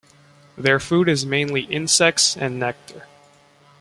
Their food is mainly insects and nectar.